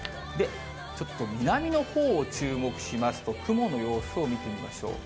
ちょっと南のほうを注目しますと、雲の様子を見てみましょう。